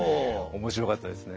面白かったですね。